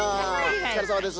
おつかれさまです。